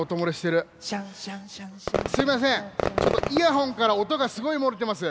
すいませんちょっとイヤホンからおとがすごいもれてます。